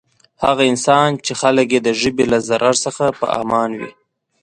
هغه انسان چی خلک یی د ژبی له ضرر څخه په امان وی.